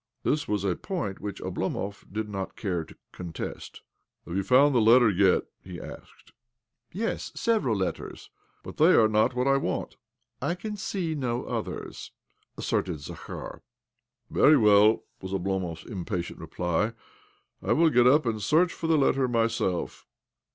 This was a point which Oblomov did hot care to contest. " Have you found the letter yet? " he asked. 1 8 OBLOMOV "Yes — several letters." " But they are not what I want." " I can see no others," asserted Zakhar, " Very well," was Oblomov's impatient reply. " I will get up and search for the letter myself."